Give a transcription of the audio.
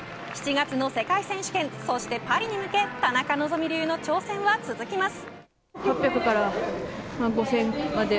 ７月の世界選手権そしてパリに向け田中希実流の挑戦は続きます。